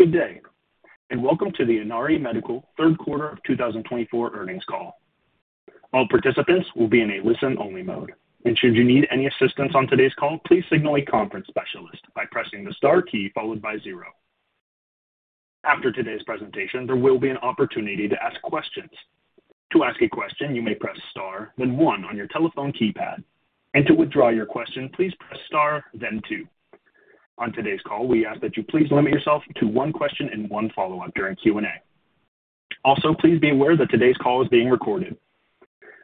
Good day, and welcome to the Inari Medical Third Quarter of 2024 Earnings Call. All participants will be in a listen-only mode, and should you need any assistance on today's call, please signal a conference specialist by pressing the star key followed by zero. After today's presentation, there will be an opportunity to ask questions. To ask a question, you may press star, then one on your telephone keypad, and to withdraw your question, please press star, then two. On today's call, we ask that you please limit yourself to one question and one follow-up during Q&A. Also, please be aware that today's call is being recorded.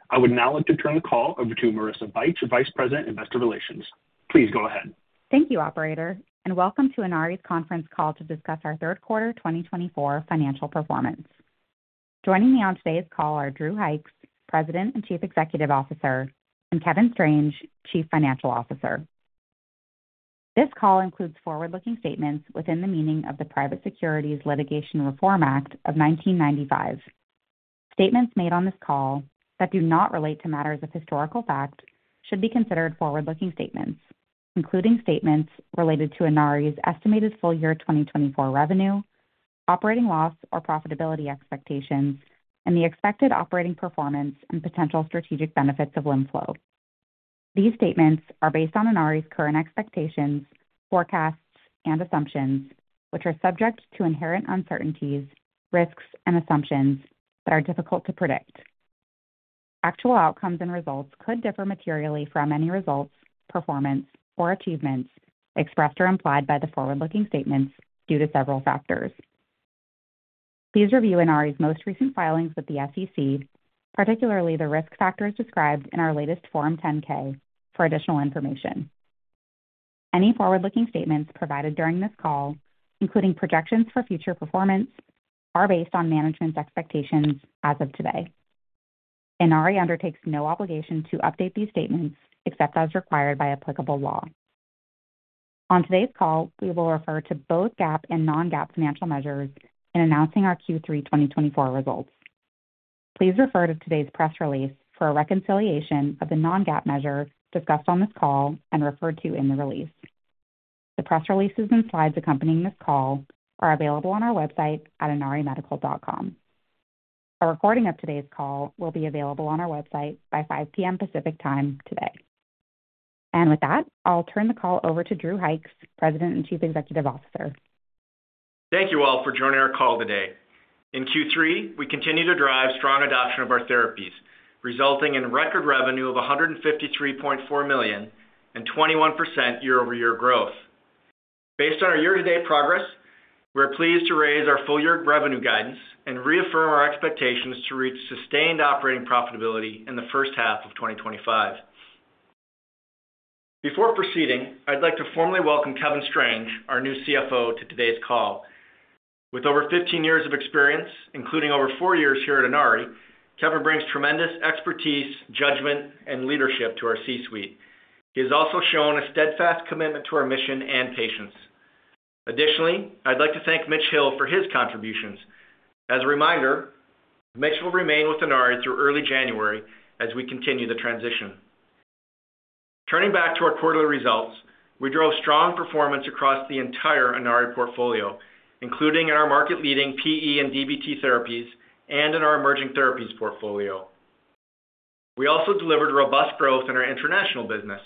I would now like to turn the call over to Marissa Bych, Vice President, Investor Relations. Please go ahead. Thank you, operator, and welcome to Inari's Conference Call to discuss our Third Quarter 2024 Financial Performance. Joining me on today's call are Drew Hykes, President and Chief Executive Officer, and Kevin Strange, Chief Financial Officer. This call includes forward-looking statements within the meaning of the Private Securities Litigation Reform Act of 1995. Statements made on this call that do not relate to matters of historical fact should be considered forward-looking statements, including statements related to Inari's estimated full year twenty twenty-four revenue, operating loss or profitability expectations, and the expected operating performance and potential strategic benefits of LimFlow. These statements are based on Inari's current expectations, forecasts, and assumptions, which are subject to inherent uncertainties, risks, and assumptions that are difficult to predict. Actual outcomes and results could differ materially from any results, performance, or achievements expressed or implied by the forward-looking statements due to several factors. Please review Inari's most recent filings with the SEC, particularly the risk factors described in our latest Form 10-K, for additional information. Any forward-looking statements provided during this call, including projections for future performance, are based on management's expectations as of today. Inari undertakes no obligation to update these statements except as required by applicable law. On today's call, we will refer to both GAAP and non-GAAP financial measures in announcing our Q3 2024 results. Please refer to today's press release for a reconciliation of the non-GAAP measure discussed on this call and referred to in the release. The press releases and slides accompanying this call are available on our website at inarimedical.com. A recording of today's call will be available on our website by 5:00 P.M. Pacific Time today. And with that, I'll turn the call over to Drew Hykes, President and Chief Executive Officer. Thank you all for joining our call today. In Q3, we continued to drive strong adoption of our therapies, resulting in record revenue of $153.4 million and 21% year-over-year growth. Based on our year-to-date progress, we're pleased to raise our full-year revenue guidance and reaffirm our expectations to reach sustained operating profitability in the first half of 2025. Before proceeding, I'd like to formally welcome Kevin Strange, our new CFO, to today's call. With over 15 years of experience, including over 4 years here at Inari, Kevin brings tremendous expertise, judgment, and leadership to our C-suite. He has also shown a steadfast commitment to our mission and patients. Additionally, I'd like to thank Mitch Hill for his contributions. As a reminder, Mitch will remain with Inari through early January as we continue the transition. Turning back to our quarterly results, we drove strong performance across the entire Inari portfolio, including in our market-leading PE and DVT therapies and in our Emerging Therapies portfolio. We also delivered robust growth in our international business.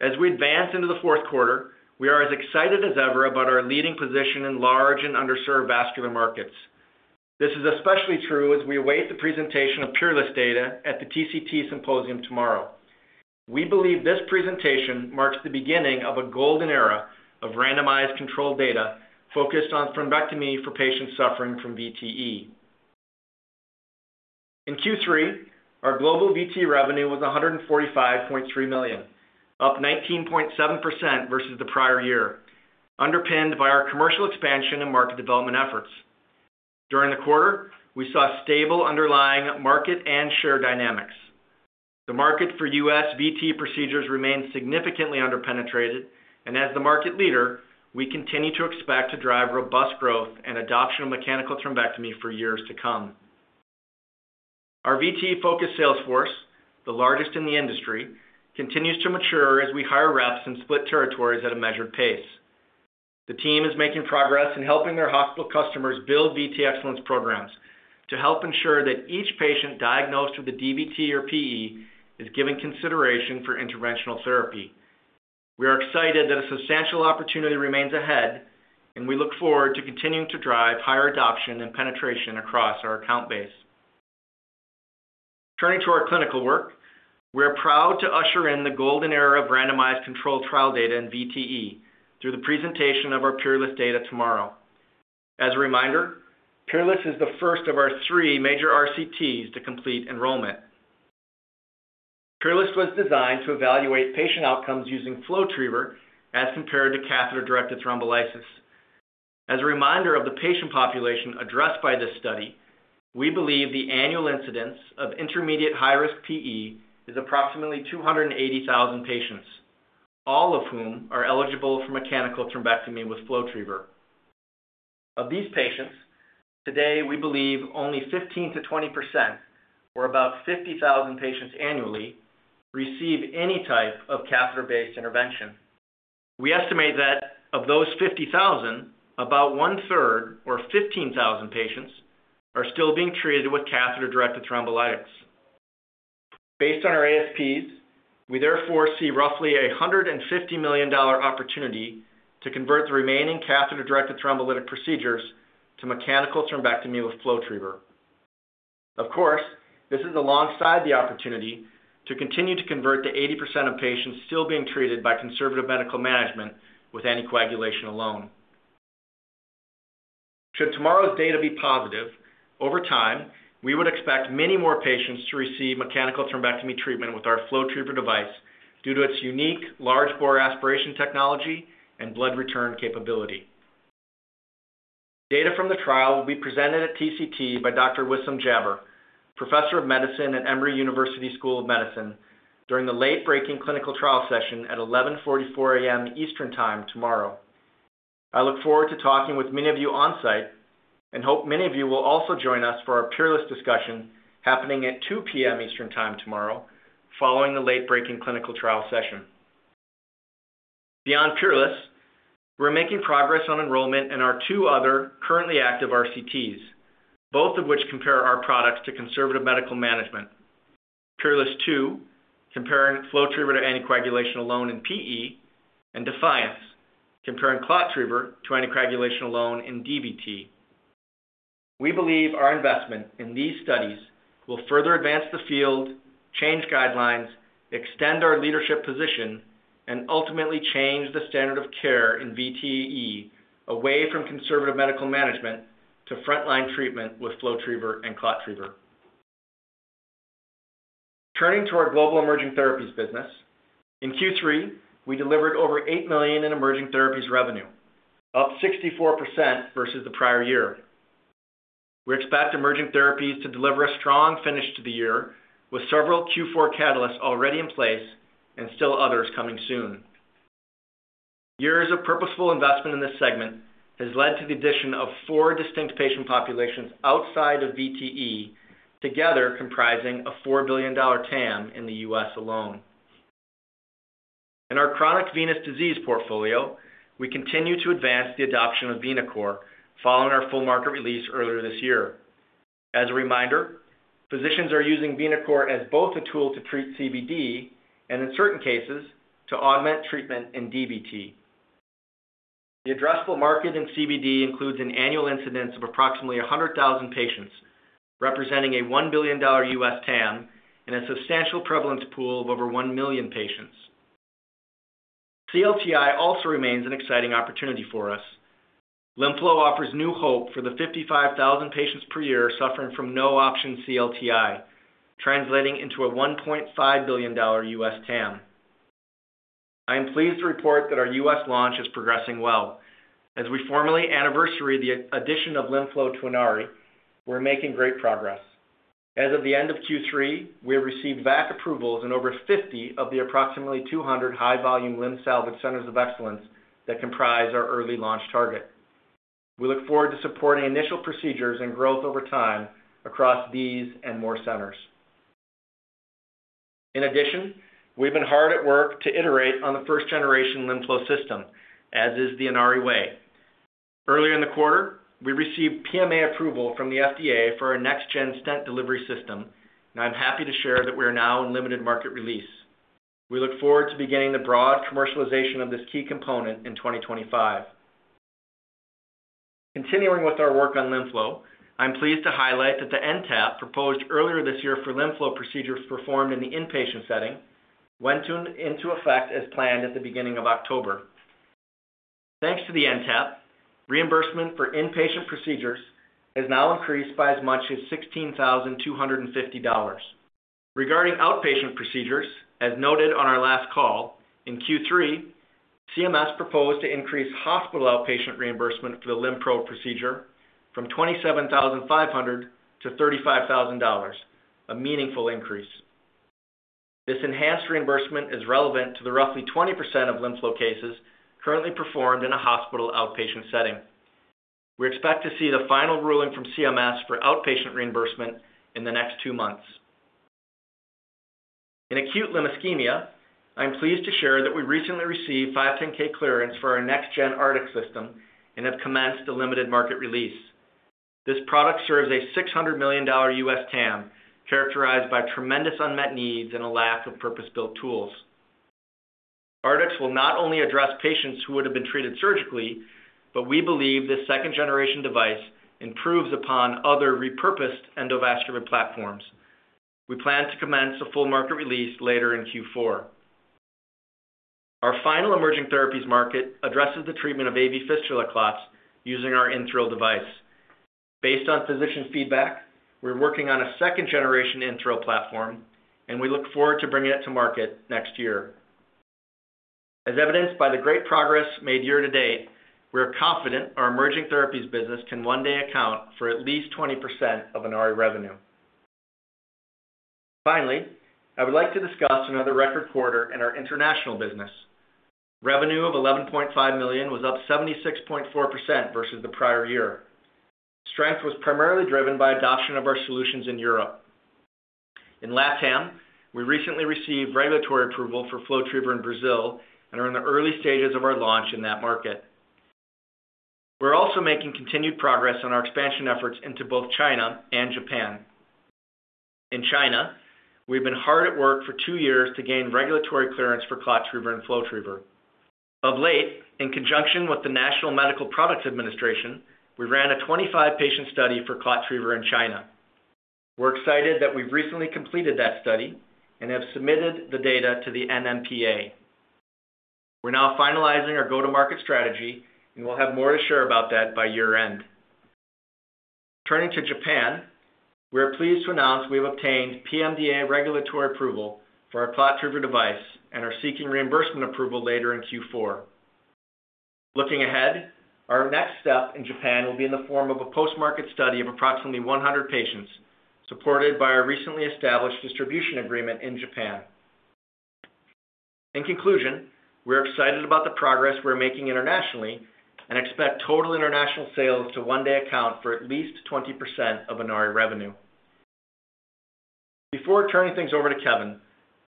As we advance into the fourth quarter, we are as excited as ever about our leading position in large and underserved vascular markets. This is especially true as we await the presentation of PEERLESS data at the TCT symposium tomorrow. We believe this presentation marks the beginning of a golden era of randomized controlled data focused on thrombectomy for patients suffering from VTE. In Q3, our global VTE revenue was $145.3 million, up 19.7% versus the prior year, underpinned by our commercial expansion and market development efforts. During the quarter, we saw stable underlying market and share dynamics. The market for U.S. VTE procedures remains significantly underpenetrated, and as the market leader, we continue to expect to drive robust growth and adoption of mechanical thrombectomy for years to come. Our VTE-focused sales force, the largest in the industry, continues to mature as we hire reps and split territories at a measured pace. The team is making progress in helping their hospital customers build VTE Excellence programs to help ensure that each patient diagnosed with a DVT or PE is given consideration for interventional therapy. We are excited that a substantial opportunity remains ahead, and we look forward to continuing to drive higher adoption and penetration across our account base. Turning to our clinical work, we are proud to usher in the golden era of randomized controlled trial data in VTE through the presentation of our PEERLESS data tomorrow. As a reminder, PEERLESS is the first of our three major RCTs to complete enrollment. PEERLESS was designed to evaluate patient outcomes using FlowTriever as compared to catheter-directed thrombolysis. As a reminder of the patient population addressed by this study, we believe the annual incidence of intermediate high-risk PE is approximately 280,000 patients, all of whom are eligible for mechanical thrombectomy with FlowTriever. Of these patients, today we believe only 15%-20%, or about 50,000 patients annually, receive any type of catheter-based intervention. We estimate that of those 50,000, about one-third, or 15,000 patients, are still being treated with catheter-directed thrombolytics. Based on our ASPs, we therefore see roughly a $150 million opportunity to convert the remaining catheter-directed thrombolytic procedures to mechanical thrombectomy with FlowTriever. Of course, this is alongside the opportunity to continue to convert the 80% of patients still being treated by conservative medical management with anticoagulation alone. Should tomorrow's data be positive, over time, we would expect many more patients to receive mechanical thrombectomy treatment with our FlowTriever device due to its unique large bore aspiration technology and blood return capability. Data from the trial will be presented at TCT by Dr. Wissam Jaber, Professor of Medicine at Emory University School of Medicine, during the late-breaking clinical trial session at 11:44 A.M. Eastern Time tomorrow. I look forward to talking with many of you on-site, and hope many of you will also join us for our PEERLESS discussion happening at 2:00 P.M. Eastern Time tomorrow, following the late-breaking clinical trial session. Beyond PEERLESS, we're making progress on enrollment in our two other currently active RCTs, both of which compare our products to conservative medical management. PEERLESS II, comparing FlowTriever to anticoagulation alone in PE, and DEFIANCE, comparing ClotTriever to anticoagulation alone in DVT. We believe our investment in these studies will further advance the field, change guidelines, extend our leadership position, and ultimately change the standard of care in VTE away from conservative medical management to frontline treatment with FlowTriever and ClotTriever. Turning to our global Emerging Therapies business. In Q3, we delivered over $8 million in Emerging Therapies revenue, up 64% versus the prior year. We expect Emerging Therapies to deliver a strong finish to the year, with several Q4 catalysts already in place and still others coming soon. Years of purposeful investment in this segment has led to the addition of four distinct patient populations outside of VTE, together comprising a $4 billion TAM in the US alone. In our chronic venous disease portfolio, we continue to advance the adoption of RevCore following our full market release earlier this year. As a reminder, physicians are using RevCore as both a tool to treat CVD and, in certain cases, to augment treatment in DVT. The addressable market in CVD includes an annual incidence of approximately 100,000 patients, representing a $1 billion US TAM and a substantial prevalence pool of over 1 million patients. CLTI also remains an exciting opportunity for us. LimFlow offers new hope for the 55,000 patients per year suffering from no-option CLTI, translating into a $1.5 billion US TAM. I am pleased to report that our U.S. launch is progressing well. As we first anniversary the addition of LimFlow to Inari, we're making great progress. As of the end of Q3, we have received VAC approvals in over 50 of the approximately 200 high-volume limb salvage centers of excellence that comprise our early launch target. We look forward to supporting initial procedures and growth over time across these and more centers. In addition, we've been hard at work to iterate on the first generation LimFlow system, as is the Inari way. Earlier in the quarter, we received PMA approval from the FDA for our next-gen stent delivery system, and I'm happy to share that we are now in limited market release. We look forward to beginning the broad commercialization of this key component in 2025. Continuing with our work on LimFlow, I'm pleased to highlight that the NTAP, proposed earlier this year for LimFlow procedures performed in the inpatient setting, went into effect as planned at the beginning of October. Thanks to the NTAP, reimbursement for inpatient procedures has now increased by as much as $16,250. Regarding outpatient procedures, as noted on our last call, in Q3, CMS proposed to increase hospital outpatient reimbursement for the LimFlow procedure from $27,500 to $35,000, a meaningful increase. This enhanced reimbursement is relevant to the roughly 20% of LimFlow cases currently performed in a hospital outpatient setting. We expect to see the final ruling from CMS for outpatient reimbursement in the next two months. In acute limb ischemia, I'm pleased to share that we recently received 510(k) clearance for our next-gen Artix system and have commenced a limited market release. This product serves a $600 million US TAM, characterized by tremendous unmet needs and a lack of purpose-built tools. Artix will not only address patients who would have been treated surgically, but we believe this second generation device improves upon other repurposed endovascular platforms. We plan to commence a full market release later in Q4. Our final Emerging Therapies market addresses the treatment of AV fistula clots using our InThrill device. Based on physician feedback, we're working on a second generation InThrill platform, and we look forward to bringing it to market next year. As evidenced by the great progress made year to date, we are confident our Emerging Therapies business can one day account for at least 20% of Inari revenue. Finally, I would like to discuss another record quarter in our international business. Revenue of $11.5 million was up 76.4% versus the prior year. Strength was primarily driven by adoption of our solutions in Europe. In LatAm, we recently received regulatory approval for FlowTriever in Brazil and are in the early stages of our launch in that market. We're also making continued progress on our expansion efforts into both China and Japan. In China, we've been hard at work for two years to gain regulatory clearance for ClotTriever and FlowTriever. Of late, in conjunction with the National Medical Products Administration, we ran a 25-patient study for ClotTriever in China. We're excited that we've recently completed that study and have submitted the data to the NMPA. We're now finalizing our go-to-market strategy, and we'll have more to share about that by year-end. Turning to Japan, we are pleased to announce we've obtained PMDA regulatory approval for our ClotTriever device and are seeking reimbursement approval later in Q4. Looking ahead, our next step in Japan will be in the form of a post-market study of approximately one hundred patients, supported by our recently established distribution agreement in Japan. In conclusion, we're excited about the progress we're making internationally and expect total international sales to one day account for at least 20% of Inari revenue. Before turning things over to Kevin,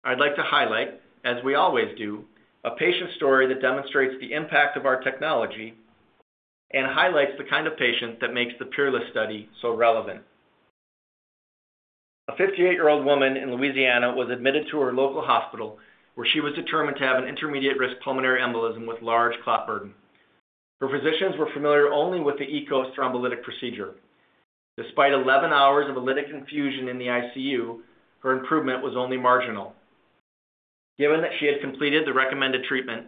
I'd like to highlight, as we always do, a patient story that demonstrates the impact of our technology and highlights the kind of patient that makes the PEERLESS study so relevant. A fifty-eight-year-old woman in Louisiana was admitted to her local hospital, where she was determined to have an intermediate-risk pulmonary embolism with large clot burden. Her physicians were familiar only with the EKOS thrombolytic procedure. Despite eleven hours of lytic infusion in the ICU, her improvement was only marginal. Given that she had completed the recommended treatment,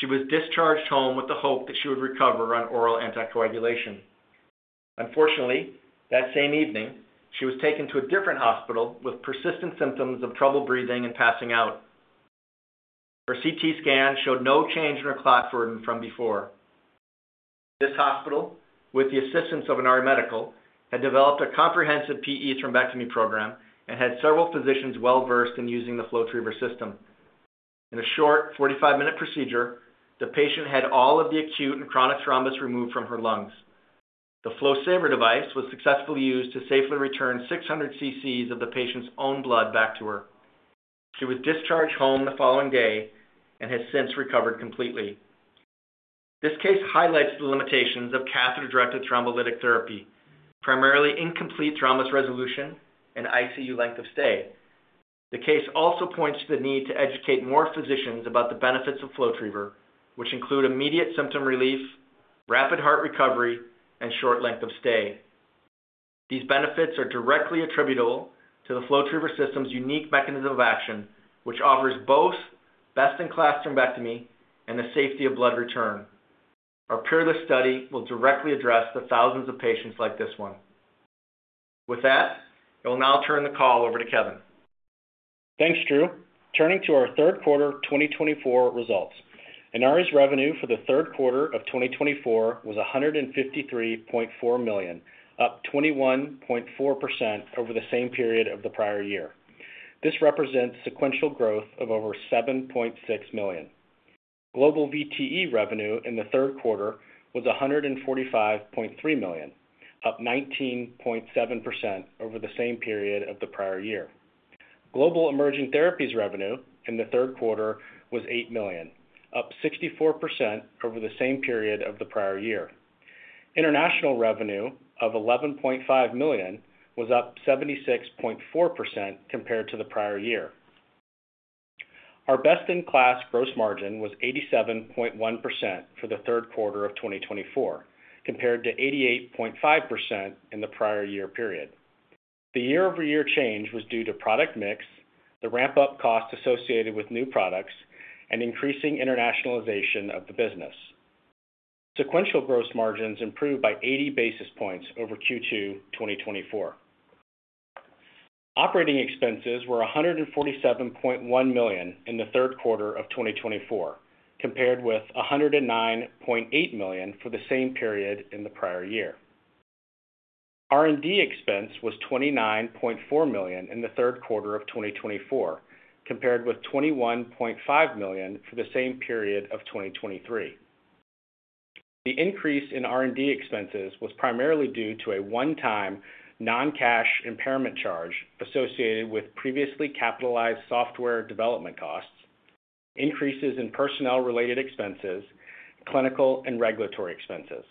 she was discharged home with the hope that she would recover on oral anticoagulation. Unfortunately, that same evening, she was taken to a different hospital with persistent symptoms of trouble breathing and passing out. Her CT scan showed no change in her clot burden from before. This hospital, with the assistance of Inari Medical, had developed a comprehensive PE thrombectomy program and had several physicians well-versed in using the FlowTriever system. In a short 45-minute procedure, the patient had all of the acute and chronic thrombus removed from her lungs. The FlowSaver device was successfully used to safely return 600 cc's of the patient's own blood back to her. She was discharged home the following day and has since recovered completely. This case highlights the limitations of catheter-directed thrombolytic therapy, primarily incomplete thrombus resolution and ICU length of stay. The case also points to the need to educate more physicians about the benefits of FlowTriever, which include immediate symptom relief, rapid heart recovery, and short length of stay. These benefits are directly attributable to the FlowTriever system's unique mechanism of action, which offers both best-in-class thrombectomy and the safety of blood return. Our PEERLESS study will directly address the thousands of patients like this one. With that, I will now turn the call over to Kevin. Thanks, Drew. Turning to our third quarter 2024 results. Inari's revenue for the third quarter of 2024 was $153.4 million, up 21.4% over the same period of the prior year. This represents sequential growth of over $7.6 million. Global VTE revenue in the third quarter was $145.3 million, up 19.7% over the same period of the prior year. Global Emerging Therapies revenue in the third quarter was $8 million, up 64% over the same period of the prior year. International revenue of $11.5 million was up 76.4% compared to the prior year. Our best-in-class gross margin was 87.1% for the third quarter of 2024, compared to 88.5% in the prior year period. The year-over-year change was due to product mix, the ramp-up costs associated with new products, and increasing internationalization of the business. Sequential gross margins improved by 80 basis points over Q2 2024. Operating expenses were $147.1 million in the third quarter of 2024, compared with $109.8 million for the same period in the prior year. R&D expense was $29.4 million in the third quarter of 2024, compared with $21.5 million for the same period of 2023. The increase in R&D expenses was primarily due to a one-time non-cash impairment charge associated with previously capitalized software development costs, increases in personnel-related expenses, clinical and regulatory expenses.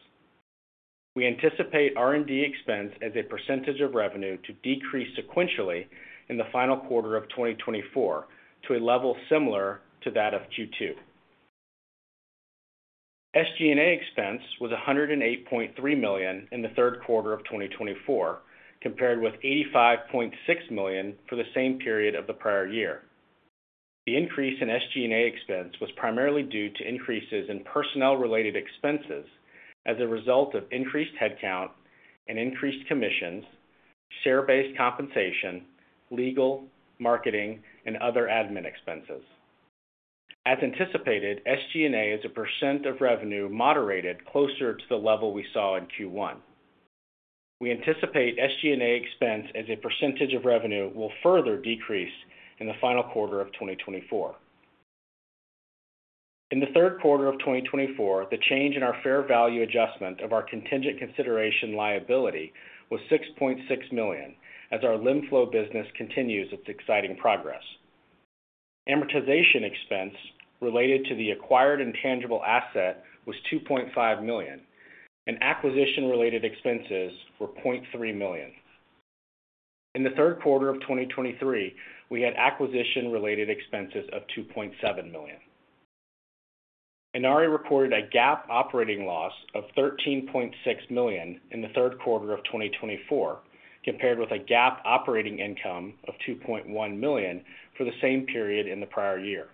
We anticipate R&D expense as a percentage of revenue to decrease sequentially in the final quarter of 2024 to a level similar to that of Q2. SG&A expense was $108.3 million in the third quarter of 2024, compared with $85.6 million for the same period of the prior year. The increase in SG&A expense was primarily due to increases in personnel-related expenses as a result of increased headcount and increased commissions, share-based compensation, legal, marketing, and other admin expenses. As anticipated, SG&A as a % of revenue moderated closer to the level we saw in Q1. We anticipate SG&A expense as a percentage of revenue will further decrease in the final quarter of 2024. In the third quarter of 2024, the change in our fair value adjustment of our contingent consideration liability was $6.6 million, as our LimFlow business continues its exciting progress. Amortization expense related to the acquired intangible asset was $2.5 million, and acquisition-related expenses were $0.3 million. In the third quarter of 2023, we had acquisition-related expenses of $2.7 million. Inari reported a GAAP operating loss of $13.6 million in the third quarter of 2024, compared with a GAAP operating income of $2.1 million for the same period in the prior year.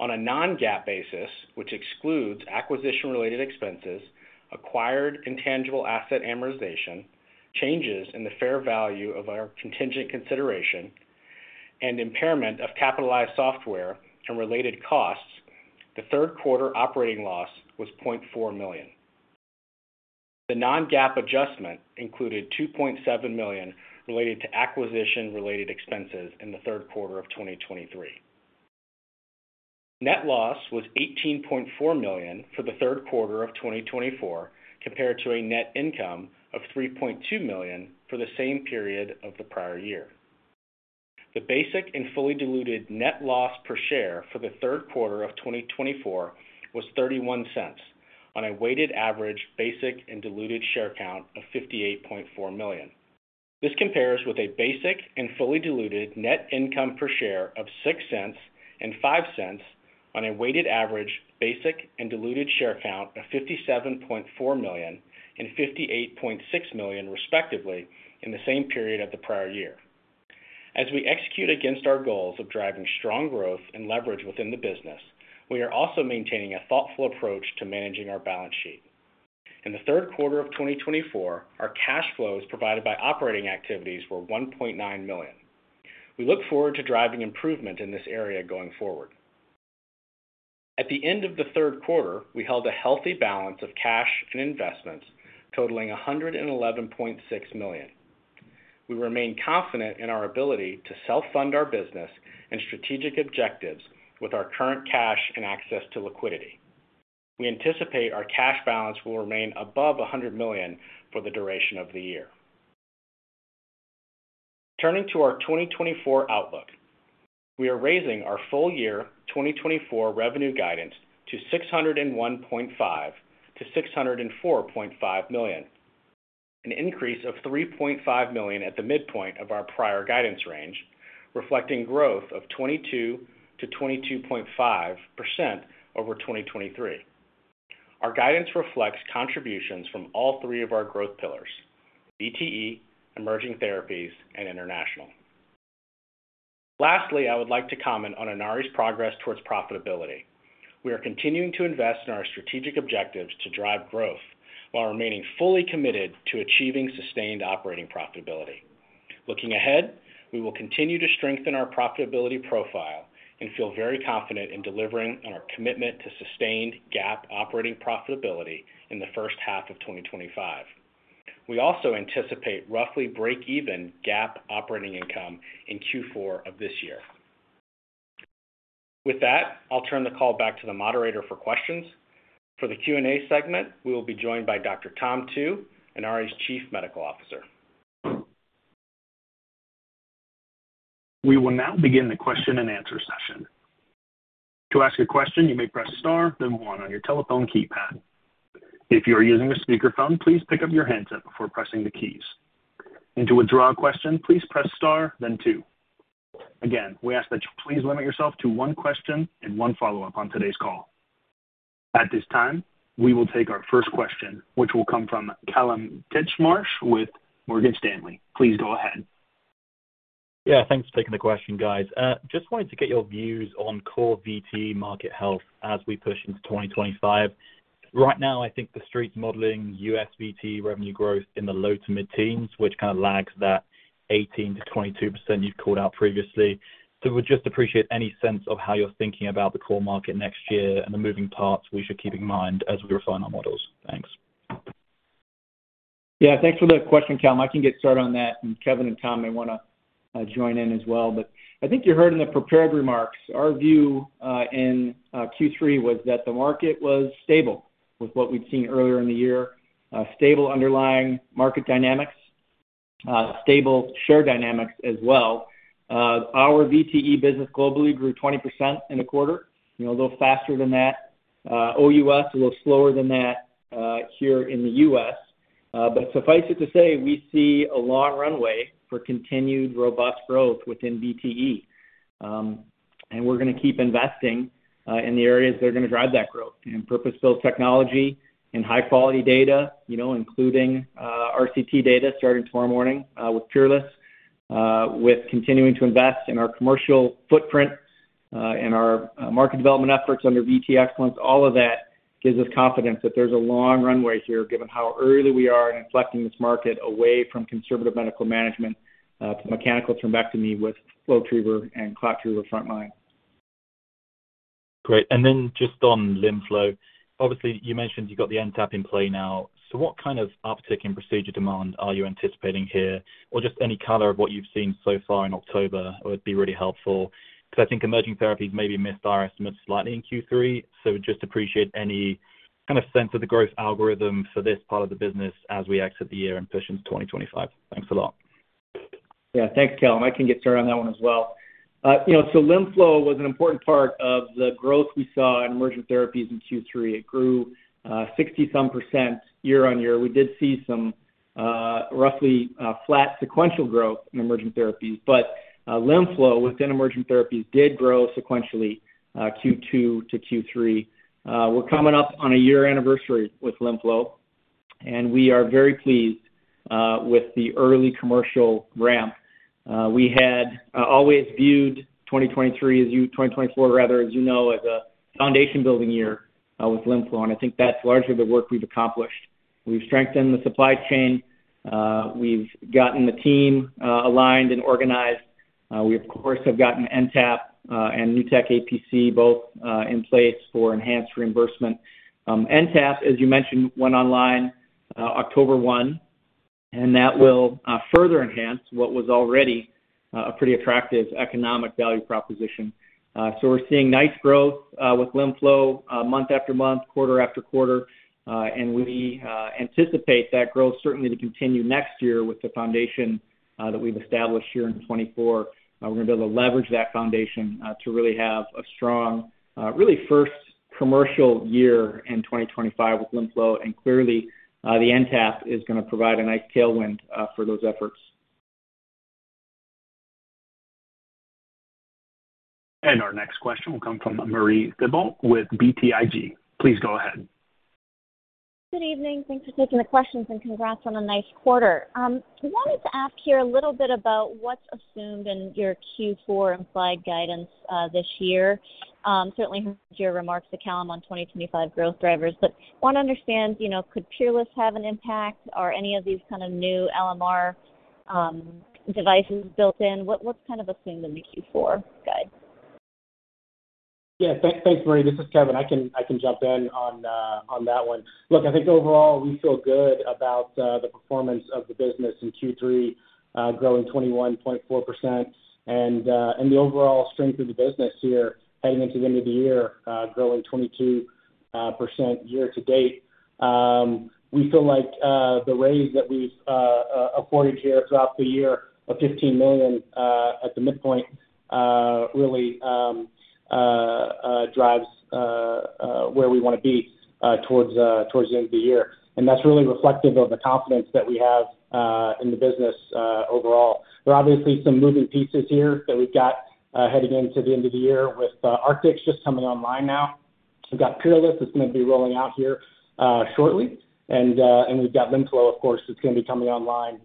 On a non-GAAP basis, which excludes acquisition-related expenses, acquired intangible asset amortization, changes in the fair value of our contingent consideration, and impairment of capitalized software and related costs, the third quarter operating loss was $0.4 million. The non-GAAP adjustment included $2.7 million related to acquisition-related expenses in the third quarter of 2023. Net loss was $18.4 million for the third quarter of 2024, compared to a net income of $3.2 million for the same period of the prior year. The basic and fully diluted net loss per share for the third quarter of 2024 was $0.31 on a weighted average basic and diluted share count of 58.4 million. This compares with a basic and fully diluted net income per share of $0.06 and $0.05 on a weighted average basic and diluted share count of 57.4 million and 58.6 million, respectively, in the same period of the prior year. As we execute against our goals of driving strong growth and leverage within the business, we are also maintaining a thoughtful approach to managing our balance sheet. In the third quarter of 2024, our cash flows provided by operating activities were $1.9 million. We look forward to driving improvement in this area going forward. At the end of the third quarter, we held a healthy balance of cash and investments totaling $111.6 million. We remain confident in our ability to self-fund our business and strategic objectives with our current cash and access to liquidity. We anticipate our cash balance will remain above $100 million for the duration of the year. Turning to our 2024 outlook, we are raising our full year 2024 revenue guidance to $601.5-$604.5 million, an increase of $3.5 million at the midpoint of our prior guidance range, reflecting growth of 22%-22.5% over 2023. Our guidance reflects contributions from all three of our growth pillars, VTE, Emerging Therapies, and international. Lastly, I would like to comment on Inari's progress towards profitability. We are continuing to invest in our strategic objectives to drive growth while remaining fully committed to achieving sustained operating profitability. Looking ahead, we will continue to strengthen our profitability profile and feel very confident in delivering on our commitment to sustained GAAP operating profitability in the first half of 2025. We also anticipate roughly break even GAAP operating income in Q4 of this year. With that, I'll turn the call back to the moderator for questions. For the Q&A segment, we will be joined by Dr. Tom Tu, Inari's Chief Medical Officer. We will now begin the question-and-answer session. To ask a question, you may press star, then one on your telephone keypad. If you are using a speakerphone, please pick up your handset before pressing the keys. And to withdraw a question, please press star then two. Again, we ask that you please limit yourself to one question and one follow-up on today's call. At this time, we will take our first question, which will come from Callum Titchmarsh with Morgan Stanley. Please go ahead. Yeah, thanks for taking the question, guys. Just wanted to get your views on core VTE market health as we push into 2025. Right now, I think the Street's modeling U.S. VTE revenue growth in the low- to mid-teens%, which kind of lags that 18%-22% you've called out previously. So would just appreciate any sense of how you're thinking about the core market next year and the moving parts we should keep in mind as we refine our models. Thanks. Yeah, thanks for the question, Callum. I can get started on that, and Kevin and Tom may wanna join in as well. But I think you heard in the prepared remarks, our view in Q3 was that the market was stable with what we'd seen earlier in the year. Stable underlying market dynamics, stable share dynamics as well. Our VTE business globally grew 20% in the quarter, you know, a little faster than that OUS, a little slower than that here in the US. But suffice it to say, we see a long runway for continued robust growth within VTE. And we're gonna keep investing in the areas that are gonna drive that growth. In purpose-built technology, in high-quality data, you know, including, RCT data starting tomorrow morning, with PEERLESS, with continuing to invest in our commercial footprint, and our, market development efforts under VTE Excellence, all of that-... gives us confidence that there's a long runway here, given how early we are in inflecting this market away from conservative medical management to mechanical thrombectomy with FlowTriever and ClotTriever front line. Great. And then just on LimFlow, obviously, you mentioned you've got the NTAP in play now. So what kind of uptick in procedure demand are you anticipating here? Or just any color of what you've seen so far in October would be really helpful. Because I think Emerging Therapies maybe missed our estimates slightly in Q3, so we'd just appreciate any kind of sense of the growth algorithm for this part of the business as we exit the year and push into 2025. Thanks a lot. Yeah, thanks, Callum. I can get started on that one as well. You know, so LimFlow was an important part of the growth we saw in Emerging Therapies in Q3. It grew 60-some% year on year. We did see some roughly flat sequential growth in Emerging Therapies, but LimFlow within Emerging Therapies did grow sequentially Q2 to Q3. We're coming up on a year anniversary with LimFlow, and we are very pleased with the early commercial ramp. We had always viewed 2023, 2024 rather, as you know, as a foundation building year with LimFlow, and I think that's largely the work we've accomplished. We've strengthened the supply chain, we've gotten the team aligned and organized. We, of course, have gotten NTAP, and New Tech APC, both, in place for enhanced reimbursement. NTAP, as you mentioned, went online October 1, and that will further enhance what was already a pretty attractive economic value proposition. So we're seeing nice growth with LimFlow month after month, quarter after quarter. We anticipate that growth certainly to continue next year with the foundation that we've established here in 2024. We're gonna be able to leverage that foundation to really have a strong really first commercial year in 2025 with LimFlow. Clearly, the NTAP is gonna provide a nice tailwind for those efforts. Our next question will come from Marie Thibault with BTIG. Please go ahead. Good evening. Thanks for taking the questions, and congrats on a nice quarter. Wanted to ask here a little bit about what's assumed in your Q4 implied guidance this year. Certainly heard your remarks to Callum on 2025 growth drivers, but want to understand, you know, could PEERLESS have an impact, or any of these kind of new LMR devices built in? What's kind of assumed in the Q4 guide? Yeah, thanks, Marie. This is Kevin. I can jump in on that one. Look, I think overall, we feel good about the performance of the business in Q3, growing 21.4%, and the overall strength of the business here heading into the end of the year, growing 22% year to date. We feel like the raise that we've afforded here throughout the year of $15 million at the midpoint really drives where we wanna be towards the end of the year, and that's really reflective of the confidence that we have in the business overall. There are obviously some moving pieces here that we've got heading into the end of the year with Artix just coming online now. We've got PEERLESS that's gonna be rolling out here shortly, and we've got LimFlow, of course, that's gonna be coming online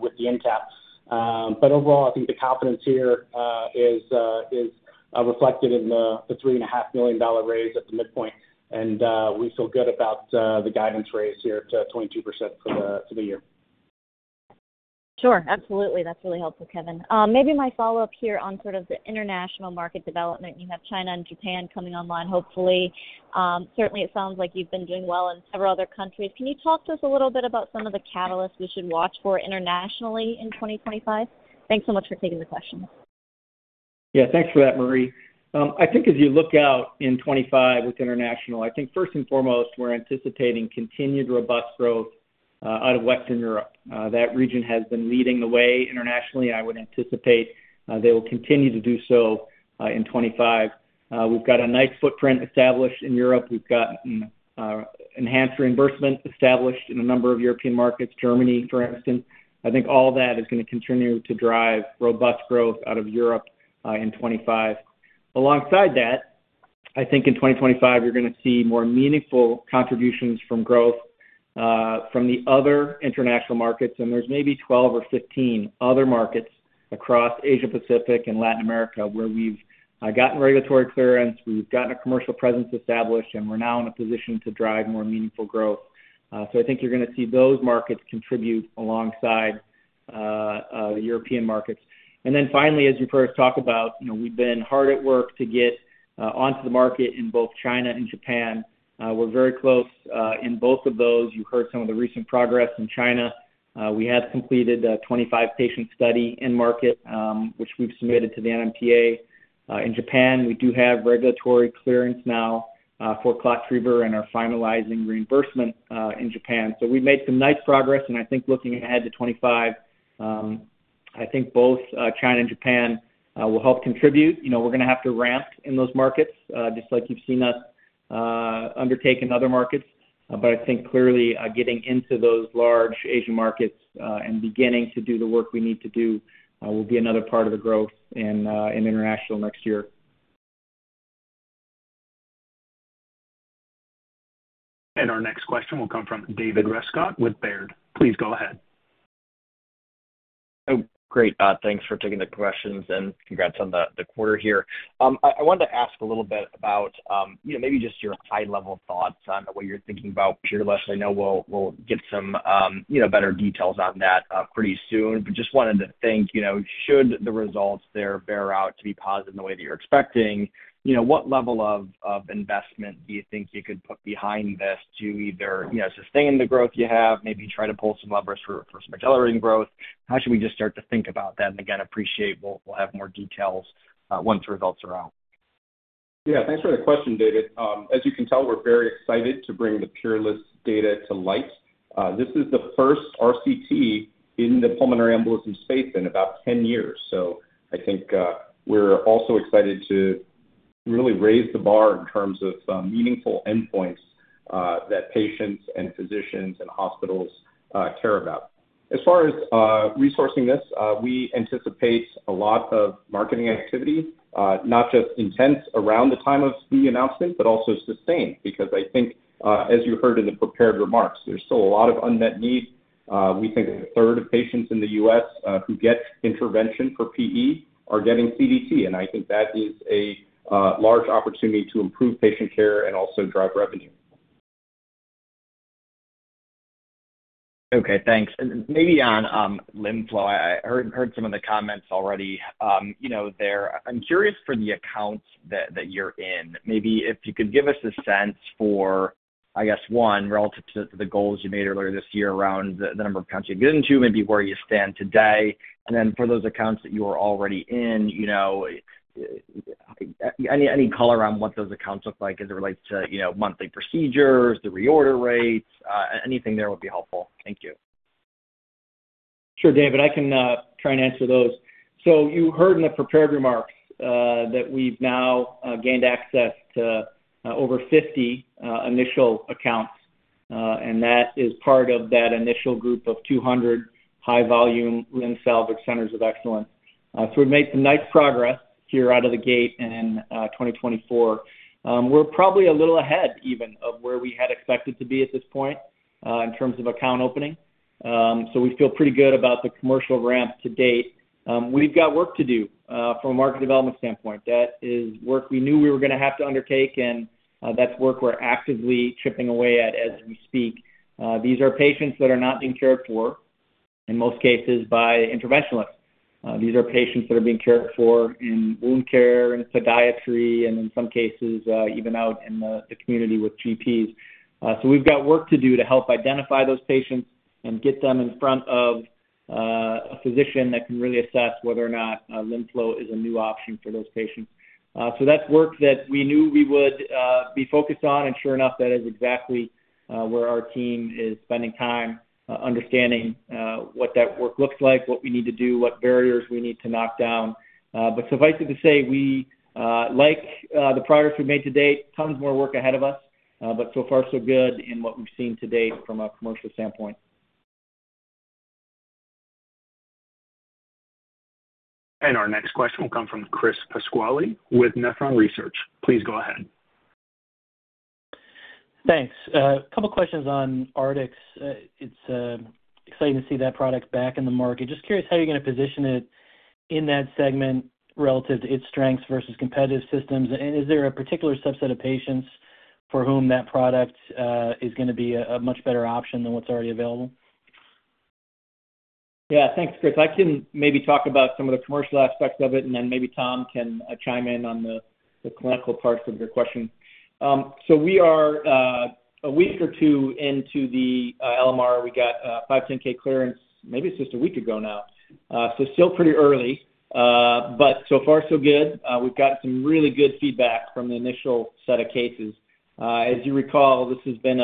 with the NTAP. But overall, I think the confidence here is reflected in the $3.5 million raise at the midpoint, and we feel good about the guidance raise here to 22% for the year. Sure, absolutely. That's really helpful, Kevin. Maybe my follow-up here on sort of the international market development. You have China and Japan coming online, hopefully. Certainly, it sounds like you've been doing well in several other countries. Can you talk to us a little bit about some of the catalysts we should watch for internationally in 2025? Thanks so much for taking the question. Yeah, thanks for that, Marie. I think as you look out in 2025 with international, I think first and foremost, we're anticipating continued robust growth out of Western Europe. That region has been leading the way internationally. I would anticipate they will continue to do so in 2025. We've got a nice footprint established in Europe. We've got enhanced reimbursement established in a number of European markets, Germany, for instance. I think all that is gonna continue to drive robust growth out of Europe in 2025. Alongside that, I think in 2025, you're gonna see more meaningful contributions from growth from the other international markets, and there's maybe 12 or 15 other markets across Asia, Pacific and Latin America, where we've gotten regulatory clearance, we've gotten a commercial presence established, and we're now in a position to drive more meaningful growth. So I think you're gonna see those markets contribute alongside the European markets. And then finally, as you first talk about, you know, we've been hard at work to get onto the market in both China and Japan. We're very close in both of those. You heard some of the recent progress in China. We have completed a 25-patient study in market, which we've submitted to the NMPA. In Japan, we do have regulatory clearance now for ClotTriever, and are finalizing reimbursement in Japan. So we've made some nice progress, and I think looking ahead to 2025, I think both China and Japan will help contribute. You know, we're gonna have to ramp in those markets, just like you've seen us undertake in other markets. But I think clearly, getting into those large Asian markets and beginning to do the work we need to do will be another part of the growth in international next year. Our next question will come from David Rescott with Baird. Please go ahead.... Oh, great. Thanks for taking the questions and congrats on the quarter here. I wanted to ask a little bit about, you know, maybe just your high-level thoughts on what you're thinking about PEERLESS. I know we'll get some, you know, better details on that pretty soon. But just wanted to think, you know, should the results there bear out to be positive in the way that you're expecting, you know, what level of investment do you think you could put behind this to either, you know, sustain the growth you have, maybe try to pull some levers for some accelerating growth? How should we just start to think about that? Again, appreciate we'll have more details once the results are out. Yeah, thanks for the question, David. As you can tell, we're very excited to bring the PEERLESS data to light. This is the first RCT in the pulmonary embolism space in about ten years. So I think, we're also excited to really raise the bar in terms of, meaningful endpoints, that patients and physicians and hospitals, care about. As far as, resourcing this, we anticipate a lot of marketing activity, not just intense around the time of the announcement, but also sustained. Because I think, as you heard in the prepared remarks, there's still a lot of unmet need. We think a third of patients in the U.S., who get intervention for PE are getting CDT, and I think that is a, large opportunity to improve patient care and also drive revenue. Okay, thanks. And maybe on LimFlow, I heard some of the comments already. You know, I'm curious for the accounts that you're in. Maybe if you could give us a sense for, I guess, one, relative to the goals you made earlier this year around the number of accounts you get into, maybe where you stand today. And then for those accounts that you are already in, you know, any color around what those accounts look like as it relates to, you know, monthly procedures, the reorder rates, anything there would be helpful. Thank you. Sure, David. I can try and answer those. So you heard in the prepared remarks that we've now gained access to over 50 initial accounts, and that is part of that initial group of 200 high-volume limb salvage centers of excellence. So we've made some nice progress here out of the gate in 2024. We're probably a little ahead even of where we had expected to be at this point in terms of account opening. So we feel pretty good about the commercial ramp to date. We've got work to do from a market development standpoint. That is work we knew we were gonna have to undertake, and that's work we're actively chipping away at as we speak. These are patients that are not being cared for, in most cases, by interventionalists. These are patients that are being cared for in wound care and podiatry, and in some cases, even out in the community with GPs. So we've got work to do to help identify those patients and get them in front of a physician that can really assess whether or not LimFlow is a new option for those patients. So that's work that we knew we would be focused on, and sure enough, that is exactly where our team is spending time understanding what that work looks like, what we need to do, what barriers we need to knock down. But suffice it to say, we like the progress we've made to date, tons more work ahead of us, but so far, so good in what we've seen to date from a commercial standpoint. And our next question will come from Chris Pasquale with Nephron Research. Please go ahead. Thanks. A couple questions on Artix. It's exciting to see that product back in the market. Just curious how you're gonna position it in that segment relative to its strengths versus competitive systems. And is there a particular subset of patients for whom that product is gonna be a much better option than what's already available? Yeah, thanks, Chris. I can maybe talk about some of the commercial aspects of it, and then maybe Tom can chime in on the clinical parts of your question, so we are a week or two into the LMR. We got a 510(k) clearance, maybe it's just a week ago now, so still pretty early, but so far, so good. We've got some really good feedback from the initial set of cases. As you recall, this has been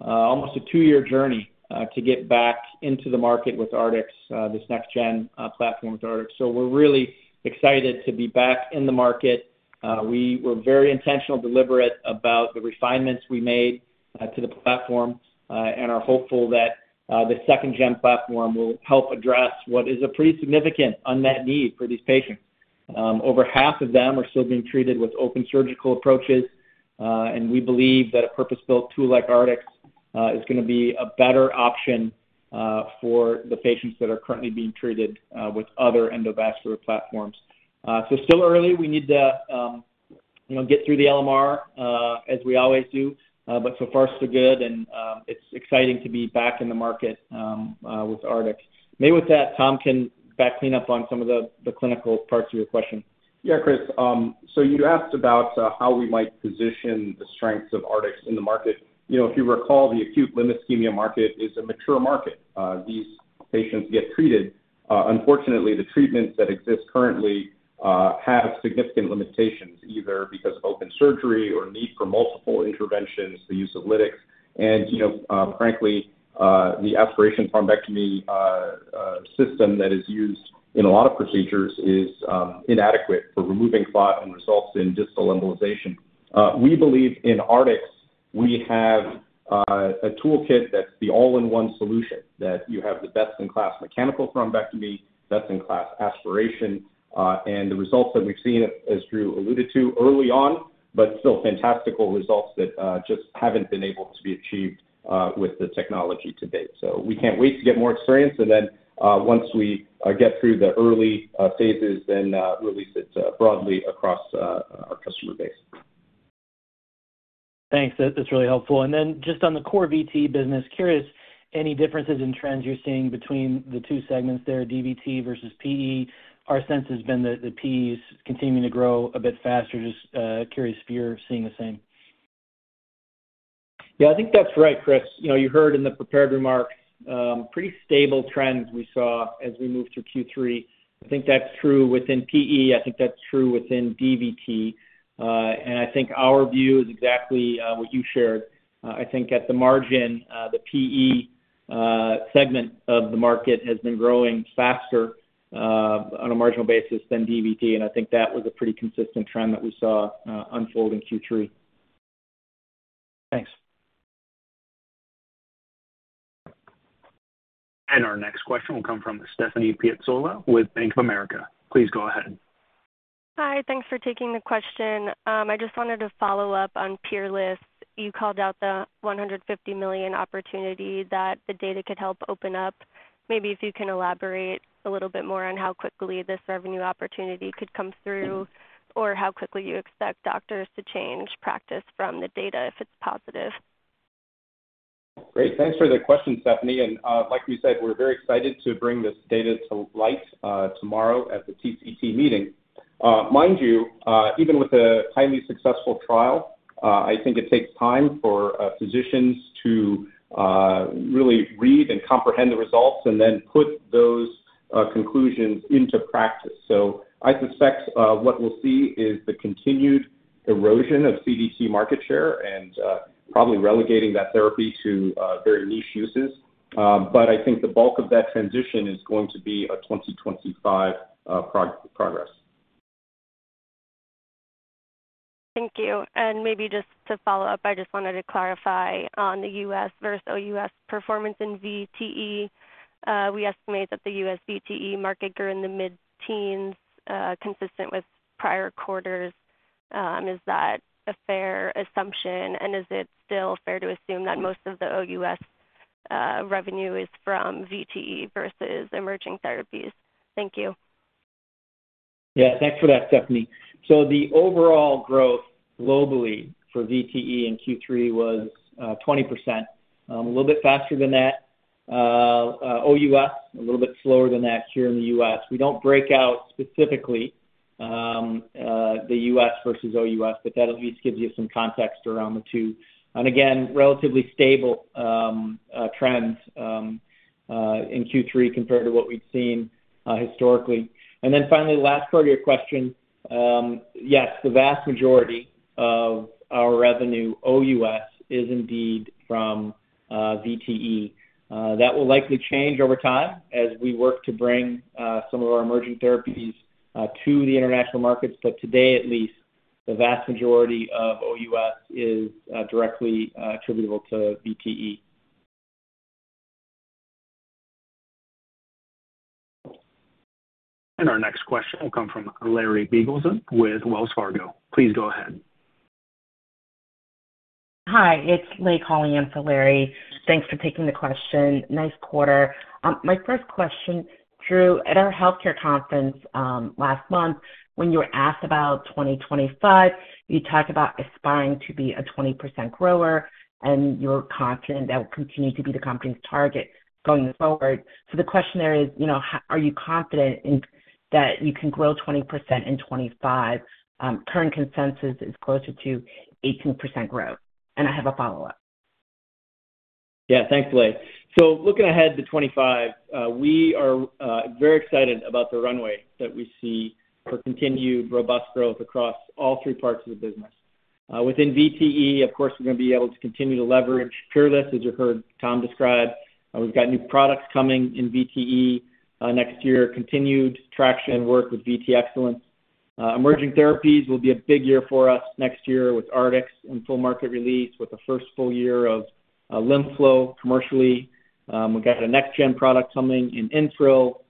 almost a two-year journey to get back into the market with Artix, this next gen platform with Artix. So we're really excited to be back in the market. We were very intentional and deliberate about the refinements we made to the platform, and are hopeful that the second-gen platform will help address what is a pretty significant unmet need for these patients. Over half of them are still being treated with open surgical approaches, and we believe that a purpose-built tool like Artix is gonna be a better option for the patients that are currently being treated with other endovascular platforms, so still early, we need to you know get through the LMR as we always do, but so far so good, and it's exciting to be back in the market with Artix. Maybe with that, Tom can back me up on some of the clinical parts of your question. Yeah, Chris. So you asked about how we might position the strengths of Artix in the market. You know, if you recall, the acute limb ischemia market is a mature market. These patients get treated. Unfortunately, the treatments that exist currently have significant limitations, either because of open surgery or need for multiple interventions, the use of lytics. And, you know, frankly, the aspiration thrombectomy system that is used in a lot of procedures is inadequate for removing clot and results in distal embolization. We believe in Artix. We have a toolkit that's the all-in-one solution, that you have the best-in-class mechanical thrombectomy, best-in-class aspiration, and the results that we've seen, as Drew alluded to early on, but still fantastic results that just haven't been able to be achieved with the technology to date. So we can't wait to get more experience, and then, once we get through the early phases, then release it broadly across our customer base. Thanks. That's really helpful. And then just on the core VTE business, curious, any differences in trends you're seeing between the two segments there, DVT versus PE? Our sense has been that the PEs continuing to grow a bit faster. Just, curious if you're seeing the same. Yeah, I think that's right, Chris. You know, you heard in the prepared remarks, pretty stable trends we saw as we moved through Q3. I think that's true within PE, I think that's true within DVT, and I think our view is exactly what you shared. I think at the margin, the PE segment of the market has been growing faster on a marginal basis than DVT, and I think that was a pretty consistent trend that we saw unfold in Q3. Thanks. Our next question will come from Stephanie Pieczola with Bank of America. Please go ahead. Hi, thanks for taking the question. I just wanted to follow up on PEERLESS. You called out the $150 million opportunity that the data could help open up. Maybe if you can elaborate a little bit more on how quickly this revenue opportunity could come through, or how quickly you expect doctors to change practice from the data, if it's positive. Great, thanks for the question, Stephanie. And, like we said, we're very excited to bring this data to light, tomorrow at the TCT meeting. Mind you, even with a highly successful trial, I think it takes time for physicians to really read and comprehend the results and then put those conclusions into practice. So I suspect, what we'll see is the continued erosion of CDT market share and, probably relegating that therapy to very niche uses. But I think the bulk of that transition is going to be a twenty twenty-five progress. Thank you. And maybe just to follow up, I just wanted to clarify on the US versus OUS performance in VTE. We estimate that the US VTE market grew in the mid-teens, consistent with prior quarters. Is that a fair assumption? And is it still fair to assume that most of the OUS revenue is from VTE versus Emerging Therapies? Thank you. Yeah, thanks for that, Stephanie. So the overall growth globally for VTE in Q3 was 20%. A little bit faster than that OUS, a little bit slower than that here in the US. We don't break out specifically the US versus OUS, but that at least gives you some context around the two. And again, relatively stable trends in Q3 compared to what we've seen historically. And then finally, last part of your question, yes, the vast majority of our revenue OUS is indeed from VTE. That will likely change over time as we work to bring some of our Emerging Therapies to the international markets. But today, at least, the vast majority of OUS is directly attributable to VTE. And our next question will come from Larry Biegelsen with Wells Fargo. Please go ahead. Hi, it's Lei calling in for Larry. Thanks for taking the question. Nice quarter. My first question, Drew, at our healthcare conference last month, when you were asked about 2025, you talked about aspiring to be a 20% grower, and you're confident that will continue to be the company's target going forward. So the question there is, you know, are you confident in that you can grow 20% in 2025? Current consensus is closer to 18% growth. And I have a follow-up. Yeah. Thanks, Larry. So looking ahead to 2025, we are very excited about the runway that we see for continued robust growth across all three parts of the business. Within VTE, of course, we're going to be able to continue to leverage PEERLESS, as you heard Tom describe. We've got new products coming in VTE next year, continued traction and work with VTE Excellence. Emerging Therapies will be a big year for us next year with Artix and full market release, with the first full year of LimFlow commercially. We've got a next-gen product coming in InThrill,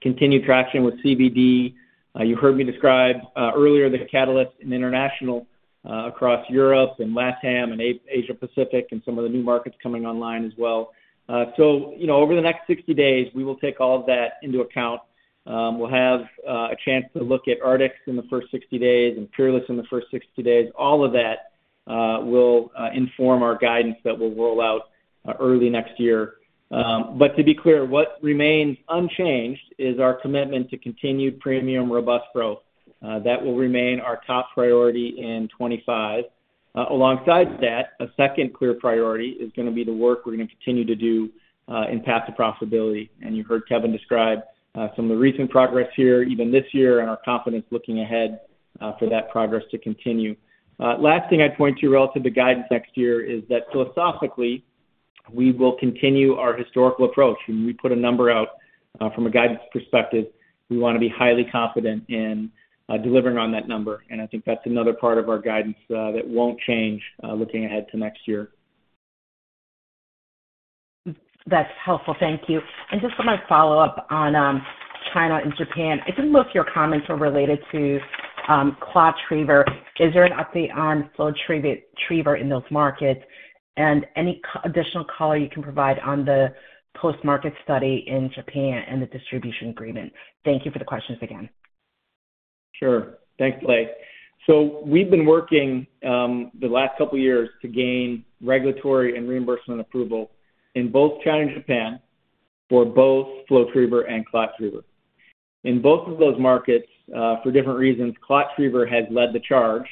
continued traction with CVD. You heard me describe earlier the catalyst in international across Europe and LATAM and Asia Pacific and some of the new markets coming online as well. So you know, over the next 60 days, we will take all of that into account. We'll have a chance to look at Artix in the first 60 days and PEERLESS in the first 60 days. All of that will inform our guidance that we'll roll out early next year. But to be clear, what remains unchanged is our commitment to continued premium, robust growth. That will remain our top priority in 2025. Alongside that, a second clear priority is gonna be the work we're gonna continue to do in path to profitability. And you heard Kevin describe some of the recent progress here, even this year, and our confidence looking ahead for that progress to continue. Last thing I'd point to you relative to guidance next year is that philosophically, we will continue our historical approach. When we put a number out, from a guidance perspective, we want to be highly confident in delivering on that number, and I think that's another part of our guidance that won't change looking ahead to next year. That's helpful. Thank you. And just for my follow-up on China and Japan, I think most of your comments were related to ClotTriever. Is there an update on FlowTriever in those markets? And any additional color you can provide on the post-market study in Japan and the distribution agreement? Thank you for the questions again. Sure. Thanks, Blake. So we've been working the last couple of years to gain regulatory and reimbursement approval in both China and Japan for both FlowTriever and ClotTriever. In both of those markets, for different reasons, ClotTriever has led the charge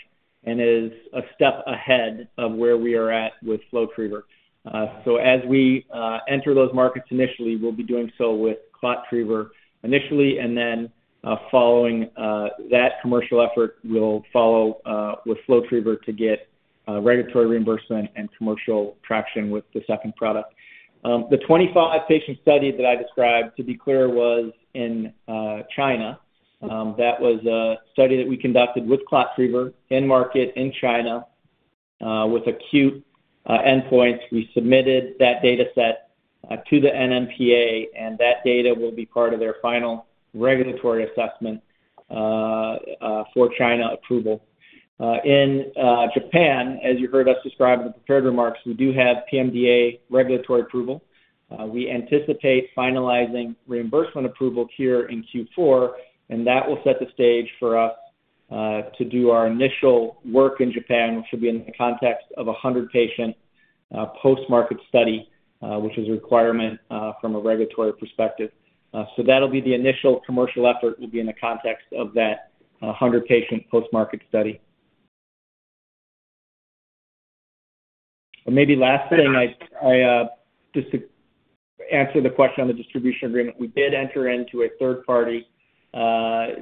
and is a step ahead of where we are at with FlowTriever. So as we enter those markets initially, we'll be doing so with ClotTriever initially, and then, following that commercial effort, we'll follow with FlowTriever to get regulatory reimbursement and commercial traction with the second product. The twenty-five patient study that I described, to be clear, was in China. That was a study that we conducted with ClotTriever in market in China with acute endpoint. We submitted that data set to the NMPA, and that data will be part of their final regulatory assessment for China approval. In Japan, as you heard us describe in the prepared remarks, we do have PMDA regulatory approval. We anticipate finalizing reimbursement approval here in Q4, and that will set the stage for us to do our initial work in Japan, which will be in the context of a hundred patient post-market study, which is a requirement from a regulatory perspective. So that'll be the initial commercial effort will be in the context of that hundred patient post-market study. Maybe last thing, I just to answer the question on the distribution agreement, we did enter into a third-party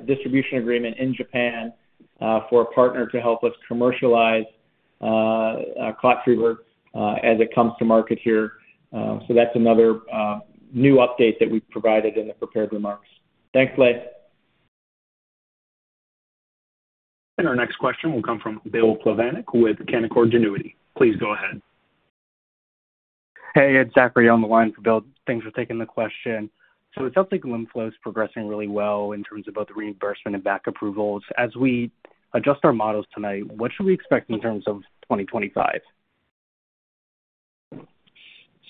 distribution agreement in Japan for a partner to help us commercialize ClotTriever as it comes to market here. So that's another new update that we provided in the prepared remarks. Thanks, Blake. And our next question will come from Bill Plovanic with Canaccord Genuity. Please go ahead. Hey, it's Zachary on the line for Bill. Thanks for taking the question. So it sounds like LimFlow is progressing really well in terms of both the reimbursement and FDA approvals. As we adjust our models tonight, what should we expect in terms of 2025?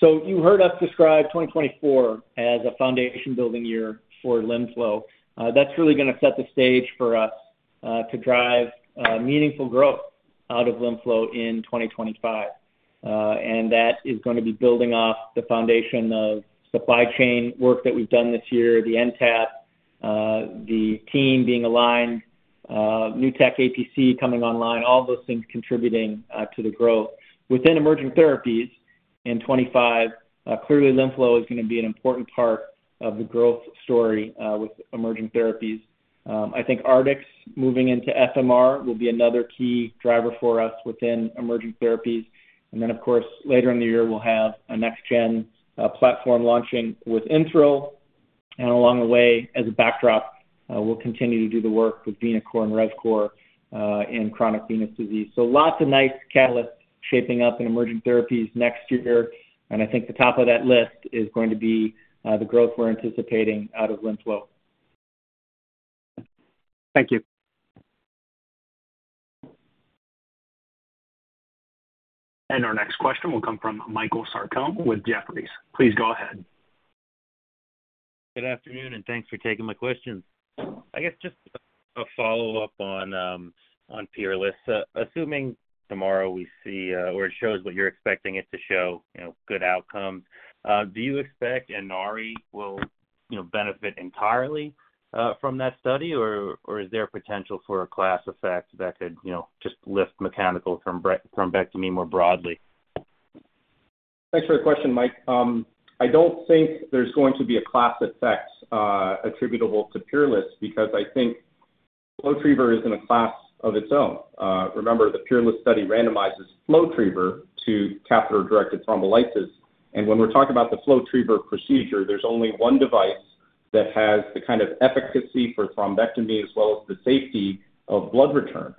So you heard us describe 2024 as a foundation-building year for LimFlow. That's really going to set the stage for us to drive meaningful growth out of LimFlow in 2025. And that is going to be building off the foundation of supply chain work that we've done this year, the NTAP, the team being aligned, New Tech APC coming online, all those things contributing to the growth. Within Emerging Therapies in 2025, clearly, LimFlow is going to be an important part of the growth story with Emerging Therapies. I think Artix moving into FMR will be another key driver for us within Emerging Therapies. And then, of course, later in the year, we'll have a next-gen platform launching with InThrill. Along the way, as a backdrop, we'll continue to do the work with RevCore in chronic venous disease. Lots of nice catalysts shaping up in Emerging Therapies next year, and I think the top of that list is going to be the growth we're anticipating out of LimFlow. Thank you. Our next question will come from Michael Sarcone with Jefferies. Please go ahead. Good afternoon, and thanks for taking my question. I guess just a follow-up on PEERLESS. Assuming tomorrow we see or it shows what you're expecting it to show, you know, good outcome, do you expect Inari will, you know, benefit entirely from that study, or is there potential for a class effect that could, you know, just lift mechanical thrombectomy more broadly? Thanks for the question, Mike. I don't think there's going to be a class effect, attributable to PEERLESS, because I think FlowTriever is in a class of its own. Remember, the PEERLESS study randomizes FlowTriever to catheter-directed thrombolysis. And when we're talking about the FlowTriever procedure, there's only one device that has the kind of efficacy for thrombectomy, as well as the safety of blood return.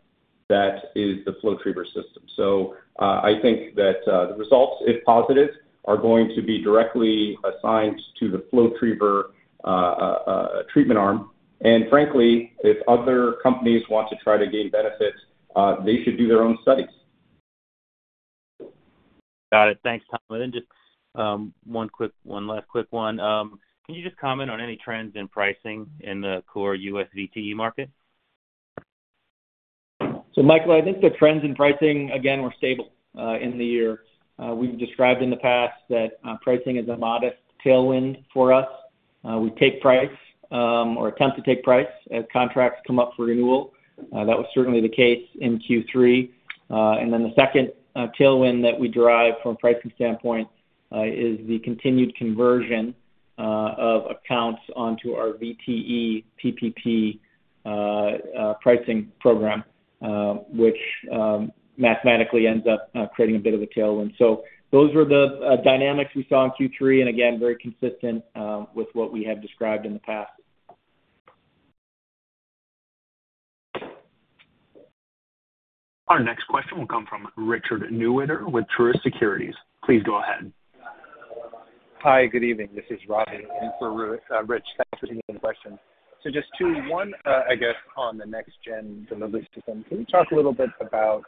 That is the FlowTriever system. So, I think that the results, if positive, are going to be directly assigned to the FlowTriever treatment arm. And frankly, if other companies want to try to gain benefits, they should do their own studies. Got it. Thanks, Tom. And just one last quick one. Can you just comment on any trends in pricing in the core US VT market? So Michael, I think the trends in pricing, again, were stable in the year. We've described in the past that pricing is a modest tailwind for us. We take price or attempt to take price as contracts come up for renewal. That was certainly the case in Q3. And then the second tailwind that we derive from a pricing standpoint is the continued conversion of accounts onto our VTE PPP pricing program, which mathematically ends up creating a bit of a tailwind. So those were the dynamics we saw in Q3, and again, very consistent with what we have described in the past. Our next question will come from Richard Newitter with Truist Securities. Please go ahead. Hi, good evening. This is Robbie in for Rich. Thanks for taking the question. So just two. One, I guess on the next-gen delivery system. Can you talk a little bit about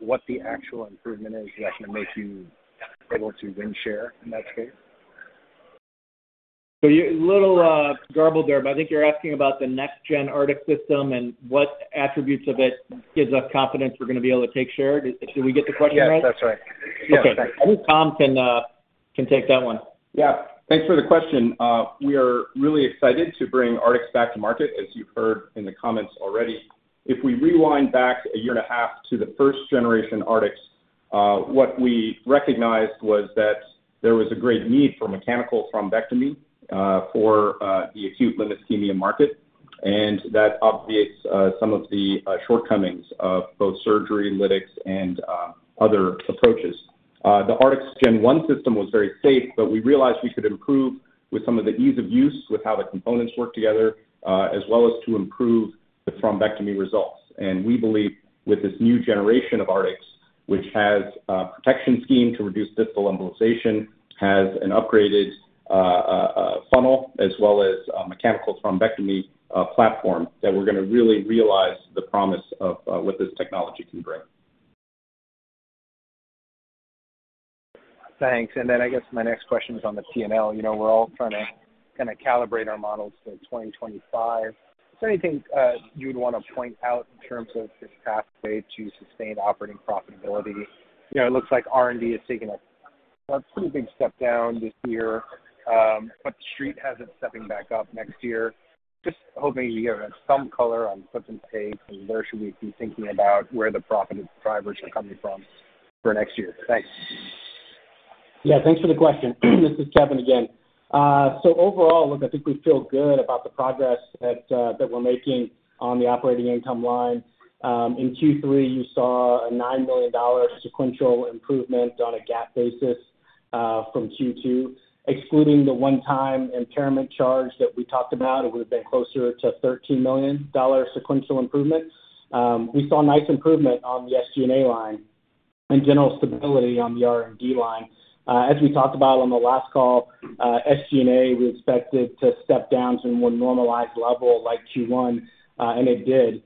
what the actual improvement is that's gonna make you able to win share in that space? So you, a little garble there, but I think you're asking about the next-gen Artix system and what attributes of it gives us confidence we're gonna be able to take share. Did we get the question right? Yes, that's right. Okay. Thanks. I think Tom can take that one. Yeah. Thanks for the question. We are really excited to bring Artix back to market, as you've heard in the comments already. If we rewind back a year and a half to the first generation Artix, what we recognized was that there was a great need for mechanical thrombectomy for the acute limb ischemia market, and that obviates some of the shortcomings of both surgery, lytics and other approaches. The Artix gen one system was very safe, but we realized we could improve with some of the ease of use, with how the components work together, as well as to improve the thrombectomy results. We believe with this new generation of Artix, which has a protection scheme to reduce distal embolization, has an upgraded funnel, as well as a mechanical thrombectomy platform, that we're gonna really realize the promise of what this technology can bring. Thanks. And then I guess my next question is on the P&L. You know, we're all trying to kind of calibrate our models to 2025. Is there anything you'd want to point out in terms of this pathway to sustained operating profitability? You know, it looks like R&D is taking a pretty big step down this year, but the street has it stepping back up next year. Just hoping you have some color on the cadence, and where should we be thinking about where the profit drivers are coming from for next year? Thanks. Yeah, thanks for the question. This is Kevin again. So overall, look, I think we feel good about the progress that we're making on the operating income line. In Q3, you saw a $9 million sequential improvement on a GAAP basis from Q2. Excluding the one-time impairment charge that we talked about, it would have been closer to $13 million sequential improvement. We saw a nice improvement on the SG&A line and general stability on the R&D line. As we talked about on the last call, SG&A, we expected to step down to a more normalized level like Q1, and it did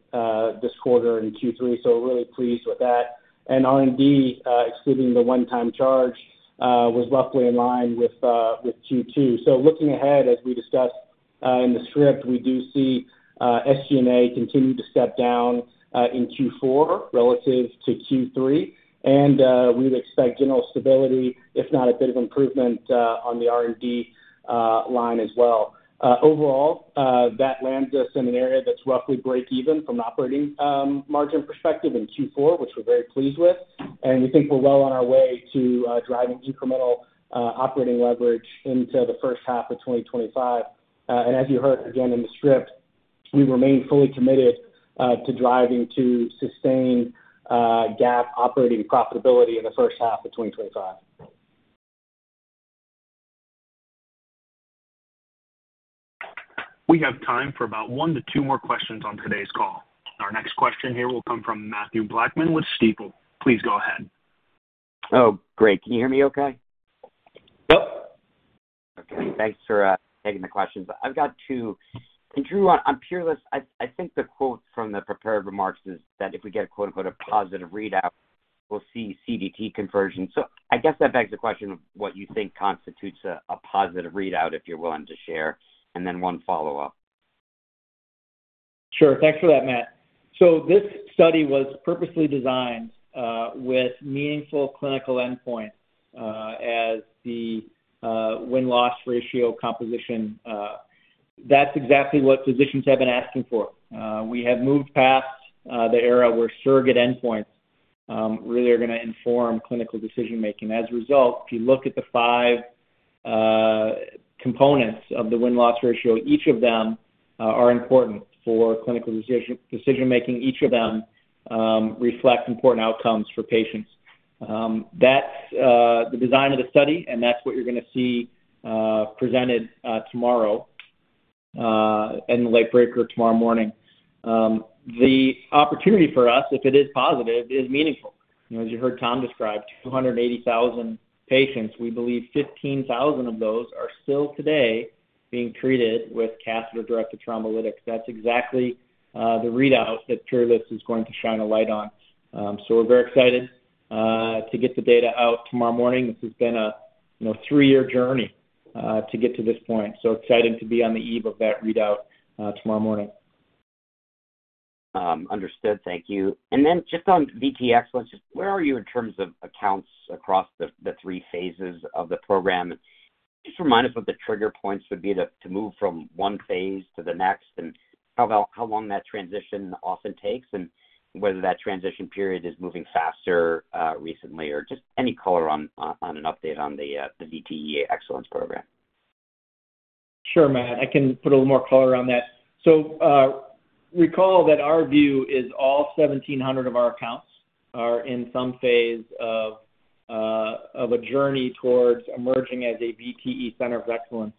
this quarter in Q3, so we're really pleased with that. R&D, excluding the one-time charge, was roughly in line with Q2. So looking ahead, as we discussed, in the script, we do see SG&A continue to step down in Q4 relative to Q3. And we would expect general stability, if not a bit of improvement, on the R&D line as well. Overall, that lands us in an area that's roughly break even from an operating margin perspective in Q4, which we're very pleased with. And we think we're well on our way to driving incremental operating leverage into the first half of 2025. And as you heard again in the script, we remain fully committed to driving to sustained GAAP operating profitability in the first half of 2025. We have time for about one to two more questions on today's call. Our next question here will come from Mathew Blackman with Stifel. Please go ahead. Oh, great. Can you hear me okay? Yep. Okay, thanks for taking the questions. I've got two. And Drew, on PEERLESS, I think the quote from the prepared remarks is that if we get a quote, unquote, "a positive readout," we'll see CDT conversion. So I guess that begs the question of what you think constitutes a positive readout, if you're willing to share, and then one follow-up. Sure. Thanks for that, Matt. So this study was purposely designed with meaningful clinical endpoint as the win-loss ratio composition. That's exactly what physicians have been asking for. We have moved past the era where surrogate endpoints really are gonna inform clinical decision-making. As a result, if you look at the five components of the win-loss ratio, each of them are important for clinical decision-making. Each of them reflect important outcomes for patients. That's the design of the study, and that's what you're gonna see presented tomorrow in the late breaker tomorrow morning. The opportunity for us, if it is positive, is meaningful. You know, as you heard Tom describe, 280,000 patients, we believe 15,000 of those are still today being treated with catheter-directed thrombolytics. That's exactly the readout that PEERLESS is going to shine a light on, so we're very excited to get the data out tomorrow morning. This has been a, you know, three-year journey to get to this point, so excited to be on the eve of that readout tomorrow morning. Understood. Thank you. And then just on VTE Excellence, just where are you in terms of accounts across the three phases of the program? Just remind us what the trigger points would be to move from one phase to the next, and how about how long that transition often takes, and whether that transition period is moving faster recently, or just any color on an update on the VTE Excellence program?... Sure, Matt, I can put a little more color on that. So, recall that our view is all 1,700 of our accounts are in some phase of a journey towards emerging as a VTE center of excellence.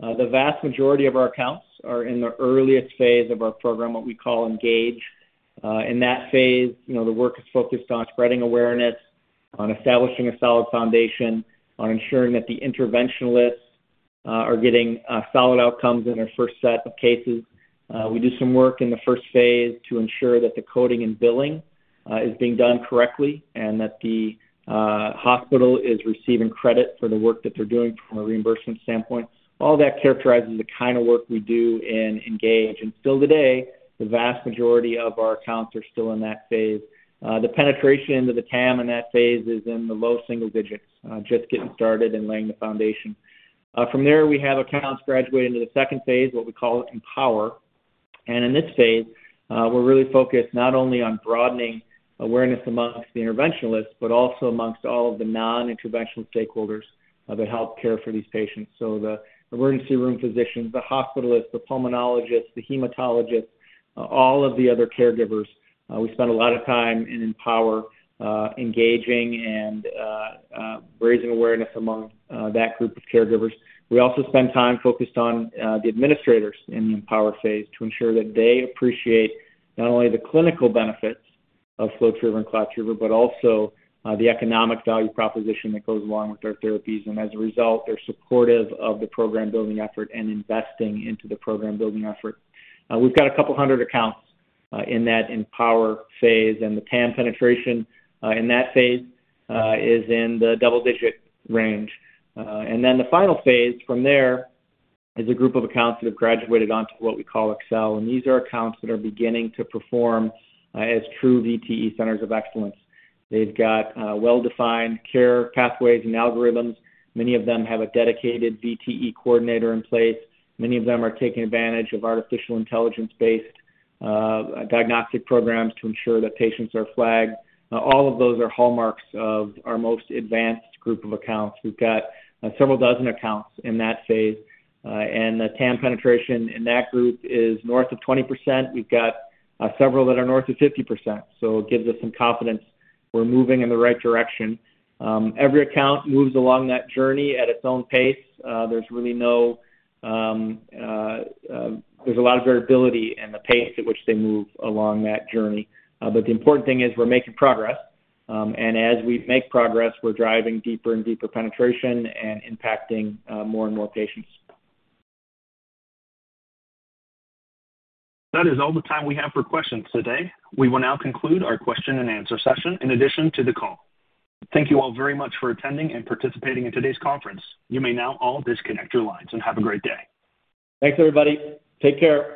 The vast majority of our accounts are in the earliest phase of our program, what we call Engage. In that phase, you know, the work is focused on spreading awareness, on establishing a solid foundation, on ensuring that the interventionalists are getting solid outcomes in their first set of cases. We do some work in the first phase to ensure that the coding and billing is being done correctly and that the hospital is receiving credit for the work that they're doing from a reimbursement standpoint. All that characterizes the kind of work we do in Engage, and still today, the vast majority of our accounts are still in that phase. The penetration into the TAM in that phase is in the low single digits, just getting started and laying the foundation. From there, we have accounts graduate into the second phase, what we call Empower, and in this phase, we're really focused not only on broadening awareness among the interventionalists, but also among all of the non-interventional stakeholders of the healthcare for these patients, so the emergency room physicians, the hospitalists, the pulmonologists, the hematologists, all of the other caregivers. We spend a lot of time in Empower, engaging and raising awareness among that group of caregivers. We also spend time focused on the administrators in the Empower phase to ensure that they appreciate not only the clinical benefits of FlowTriever and ClotTriever, but also the economic value proposition that goes along with our therapies. And as a result, they're supportive of the program building effort and investing into the program building effort. We've got a couple hundred accounts in that Empower phase, and the TAM penetration in that phase is in the double digit range. And then the final phase from there is a group of accounts that have graduated onto what we call Excel, and these are accounts that are beginning to perform as true VTE centers of excellence. They've got well-defined care pathways and algorithms. Many of them have a dedicated VTE coordinator in place. Many of them are taking advantage of artificial intelligence-based diagnostic programs to ensure that patients are flagged. All of those are hallmarks of our most advanced group of accounts. We've got several dozen accounts in that phase, and the TAM penetration in that group is north of 20%. We've got several that are north of 50%, so it gives us some confidence we're moving in the right direction. Every account moves along that journey at its own pace. There's a lot of variability in the pace at which they move along that journey. But the important thing is we're making progress, and as we make progress, we're driving deeper and deeper penetration and impacting more and more patients. That is all the time we have for questions today. We will now conclude our question and answer session in addition to the call. Thank you all very much for attending and participating in today's conference. You may now all disconnect your lines and have a great day. Thanks, everybody. Take care.